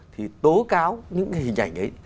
thì tố cáo những hình ảnh ấy